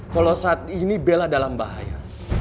kalau saat ini bella dalam bahaya